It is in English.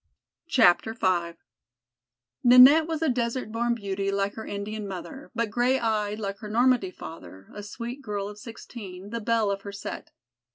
V Ninette was a desert born beauty like her Indian mother, but gray eyed like her Normandy father, a sweet girl of sixteen, the belle of her set.